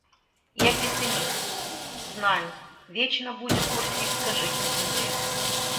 Я – пессимист, знаю — вечно будет курсистка жить на земле.